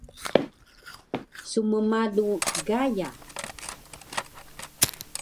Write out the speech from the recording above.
Smmalu Gaya